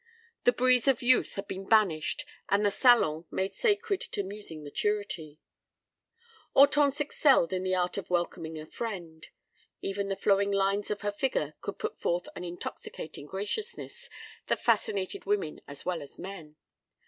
The breeze of youth had been banished and the salon made sacred to musing maturity. Hortense excelled in the art of welcoming a friend. Even the flowing lines of her figure could put forth an intoxicating graciousness that fascinated women as well as men.